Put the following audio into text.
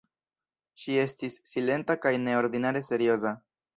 Ŝi estis silenta kaj neordinare serioza.